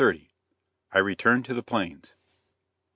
I RETURN TO THE PLAINS.